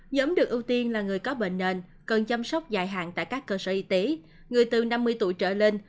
nhóm được ưu tiên là người có bệnh nền cần chăm sóc dài hạn tại các cơ sở y tế người từ năm mươi tuổi trở lên